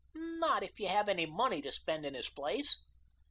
"Not if you have any money to spend in his place."